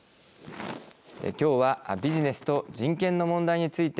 きょうはビジネスと人権の問題について